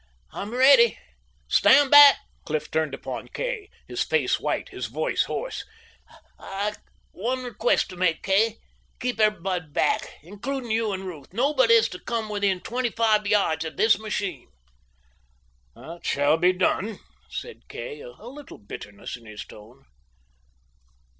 "I'm ready! Stand back!" Cliff turned upon Kay, his face white, his voice hoarse. "I've one request to make, Kay. Keep everybody back, including you and Ruth. Nobody is to come within twenty five yards of this machine!" "That shall be done," said Kay, a little bitterness in his tone.